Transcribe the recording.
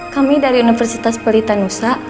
kami dari universitas pelita nusa